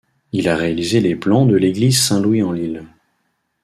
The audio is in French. Il a réalisé les plans de l'église Saint-Louis-en-l'Île.